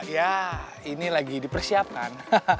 ya ini lagi dipersiapkan